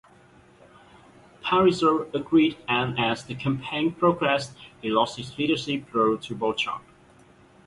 Parizeau agreed and as the campaign progressed he lost his leadership role to Bouchard.